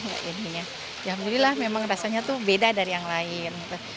alhamdulillah memang rasanya tuh beda dari yang lain